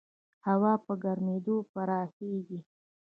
هوا په ګرمېدو پراخېږي.